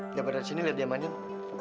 nggak pada sini lihat dia manjut